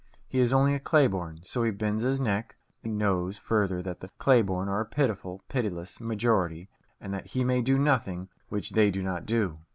He is only a clay born; so he bends his neck. He knows further that the clay born are a pitiful, pitiless majority, and that he may do nothing which they do not do.